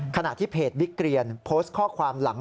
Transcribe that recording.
ขณะที่เพจบิ๊กเกรียนโพสต์ข้อความหลัง